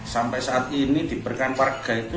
sampai saat ini di perkan parga itu